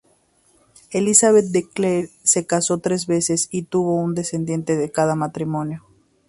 Elizabeth de Clare se casó tres veces, y tuvo un descendiente de cada matrimonio.